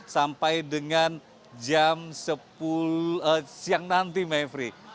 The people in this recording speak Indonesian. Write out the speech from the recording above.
sampai dengan jam sepuluh siang nanti mevri